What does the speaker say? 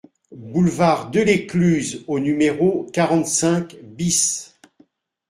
Boulevard Delescluze au numéro quarante-cinq BIS